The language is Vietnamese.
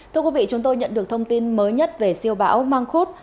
thưa quý vị chúng tôi nhận được thông tin mới nhất về siêu bão mangkut